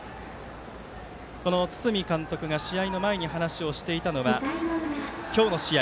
堤監督が試合の前に話をしていたのは今日の試合